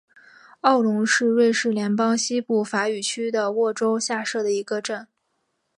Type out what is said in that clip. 奥龙是瑞士联邦西部法语区的沃州下设的一个镇。